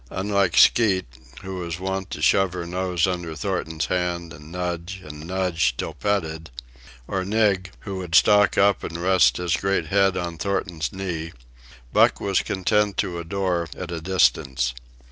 Unlike Skeet, who was wont to shove her nose under Thornton's hand and nudge and nudge till petted, or Nig, who would stalk up and rest his great head on Thornton's knee, Buck was content to adore at a distance.